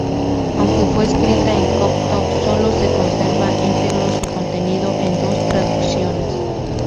Aunque fue escrita en copto, solo se conserva íntegro su contenido en dos traducciones.